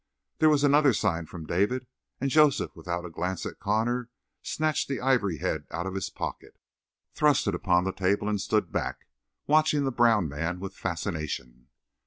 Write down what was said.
There was another sign from David, and Joseph, without a glance at Connor, snatched the ivory head out of his pocket, thrust it upon the table, and stood back, watching the brown man with fascination.